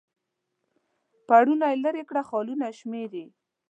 پوړونی لیري کړ خالونه شمیري